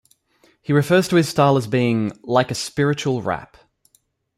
He refers to his style as being "like a spiritual rap".